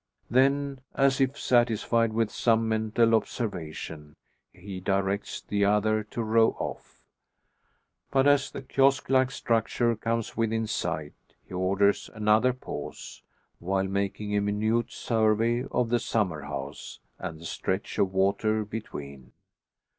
Then, as if satisfied with some mental observation, he directs the other to row off. But as the kiosk like structure comes within sight, he orders another pause, while making a minute survey of the summer house, and the stretch of water between.